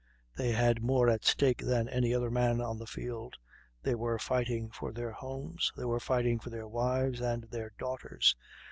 They had more at stake than any other men on the field. They were fighting for their homes; they were fighting for their wives and their daughters.